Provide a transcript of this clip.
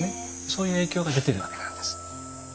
そういう影響が出てるわけなんです。